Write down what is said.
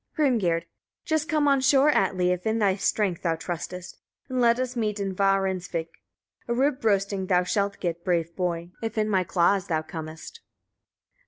Hrimgerd. 22. Just come on shore, Atli! if in thy strength thou trustest, and let us meet in Varinsvik. A rib roasting thou shalt get, brave boy! if in my claws thou comest.